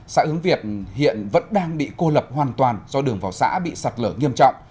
xã hướng việt hiện vẫn đang bị cô lập hoàn toàn do đường vào xã bị sạt lở nghiêm trọng